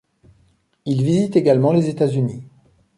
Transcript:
Il visite également les États-Unis.